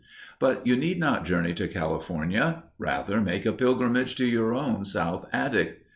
But you need not journey to California. Rather make a pilgrimage to your own south attic.